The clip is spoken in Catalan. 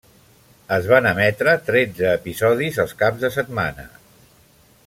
Es van emetre tretze episodis els caps de setmana.